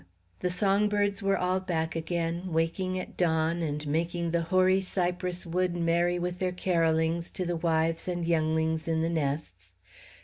The song birds were all back again, waking at dawn, and making the hoary cypress wood merry with their carollings to the wives and younglings in the nests.